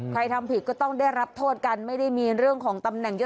ทำผิดก็ต้องได้รับโทษกันไม่ได้มีเรื่องของตำแหน่งเยอะ